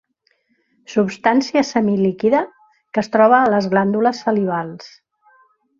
Substància semilíquida que es troba a les glàndules salivals.